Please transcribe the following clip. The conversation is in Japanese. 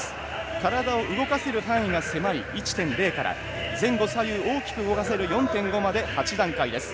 体を動かせる範囲が狭い１．０から前後左右大きく動かせる４．５まで、８段階です。